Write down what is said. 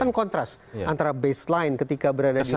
kan kontras antara baseline ketika berada di ruang tahanan